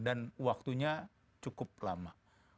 dan waktunya cukup lama